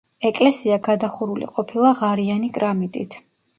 ეკლესია გადახურული ყოფილა ღარიანი კრამიტით.